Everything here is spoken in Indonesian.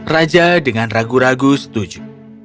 raja dengan ragu ragu setuju